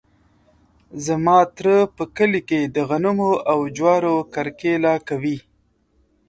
زما تره په کلي کې د غنمو او جوارو کرکیله کوي.